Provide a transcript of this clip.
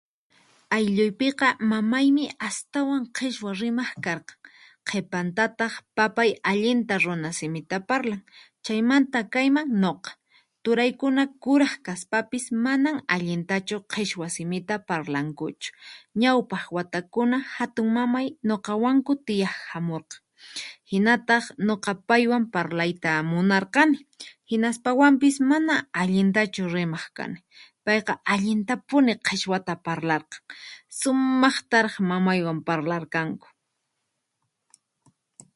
Aylluypiqa mamaymi astawan qichwa rimaq karqan, qhipantataq papay allinta runa simita parlan, chaymanta kayman nuqa, turaykuna kuraq kaspapis manan allintachu qichwa simita parlankuchu, ñawpaq watakuna hatun mamay nukawanku tiyaq hamurqan, hinataq nuqa paywan parlayta munarqani hinaspawampis mana allintachu rimaq kani, payqa allinta puni qichwata parlarqan, sumaqtaraq mamaywan parlarqanku.